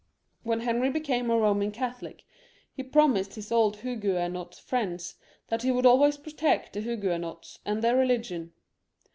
When Henry became a Eoman Catholic he promised his old Huguenot Mends that he would always protect the Huguenots and their religion.